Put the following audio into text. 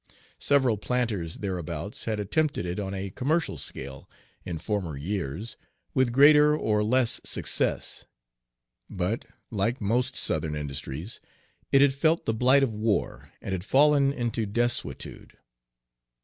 Several planters thereabouts had attempted it on a commercial scale, in former years, with greater or less success; but like most Southern industries, it had felt the blight of war and had fallen into desuetude.